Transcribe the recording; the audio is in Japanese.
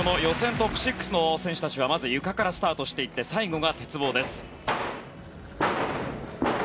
この予選トップ６の選手たちはまずゆかからスタートしていって最後が鉄棒です。